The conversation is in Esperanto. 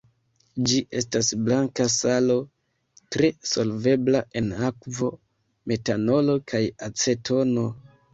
Ĝi estas blanka salo, tre solvebla en akvo, metanolo kaj acetono.